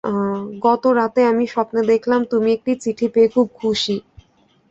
গত রাতে আমি স্বপ্নে দেখলাম, তুমি একটি চিঠি পেয়ে খুব খুশি।